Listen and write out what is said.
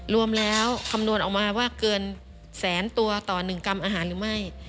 รวมแล้วคำนวณออกมาว่าเกินแสนตัวต่อ๑กรัมอาหารหรือไม่